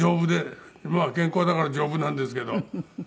まあ健康だから丈夫なんですけど。